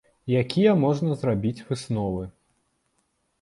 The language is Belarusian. Якія можна зрабіць высновы?